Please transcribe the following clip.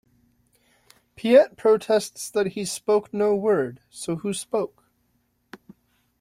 Piet protests that he spoke no word, so who spoke?